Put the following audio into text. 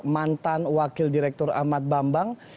mantan wakil direktur ahmad bambang